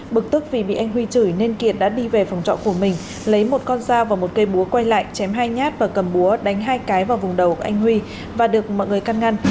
bực tức vì bị anh huy chửi nên kiệt đã đi về phòng trọ của mình lấy một con dao và một cây búa quay lại chém hai nhát và cầm búa đánh hai cái vào vùng đầu của anh huy và được mọi người căn ngăn